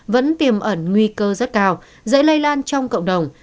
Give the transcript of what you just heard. vẫn tiềm ẩn nguy cơ rất cao dễ lây lan trong cộng đồng